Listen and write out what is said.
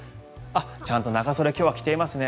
ちゃんと長袖今日は着ていますね。